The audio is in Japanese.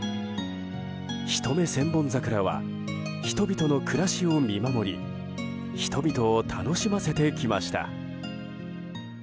一目千本桜は人々の暮らしを見守り人々を楽しませてきました。